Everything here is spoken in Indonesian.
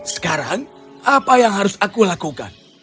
sekarang apa yang harus aku lakukan